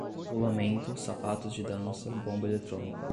rolamento, sapatos de dança, bomba eletrônica